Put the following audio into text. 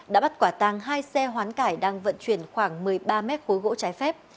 đã bắt quả tàng hai xe hoán cải đang vận chuyển khoảng một mươi ba mét khối gỗ trái phép